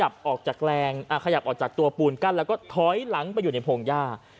มันขยับออกจากตัวปูนกันแล้วก็ถอยหลังไปอยู่ในโผงย่า